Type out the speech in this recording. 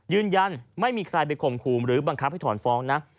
ยืนยันไม่มีใครไปข่มขู่หรือบังคับให้ถอนฟ้องนะ